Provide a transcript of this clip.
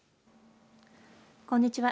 こんにちは。